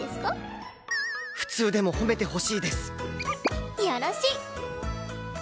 普通でも褒めてほしいです。よろしい！